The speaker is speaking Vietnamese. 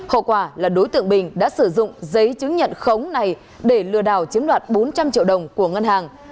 hậu quả là đối tượng bình đã sử dụng giấy chứng nhận khống này để lừa đảo chiếm đoạt bốn trăm linh triệu đồng của ngân hàng